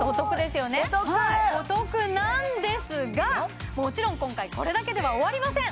すごいお得なんですがもちろん今回これだけでは終わりません